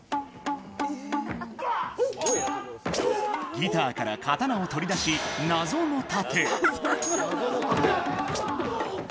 ギターから刀を取り出し、謎のタテ。